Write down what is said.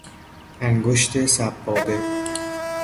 انگشت سبابه